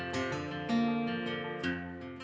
kugusan pulau terbentang vertikal